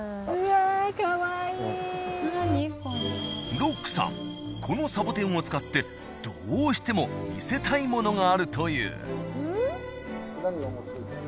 ロックさんこのサボテンを使ってどうしても見せたいものがあるという。